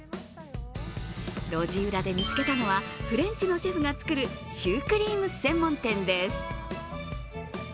路地裏で見つけたのはフレンチのシェフが作るシュークリーム専門店です。